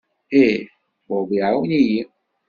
Ih, Bob iɛawen-iyi.